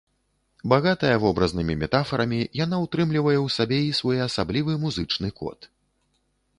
Багатая вобразнымі метафарамі, яна ўтрымлівае ў сабе і своеасаблівы музычны код.